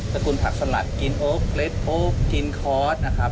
ประคุณผักสลัดกินโอ๊คเฟรดโอ๊คขีนกรอตนะครับ